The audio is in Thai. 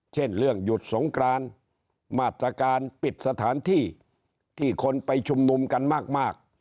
เช่นเรื่องหยุดสงกรานมาตรการปิดสถานที่ที่คนไปชุมนุมกันมาก